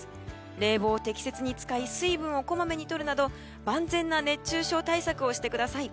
冷房を適切に使い水分をこまめに取るなど万全な熱中症対策をしてください。